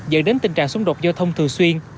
dẫn đến tình trạng xung đột giao thông thường xuyên